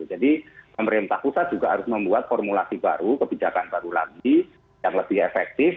pemerintah pusat juga harus membuat formulasi baru kebijakan baru lagi yang lebih efektif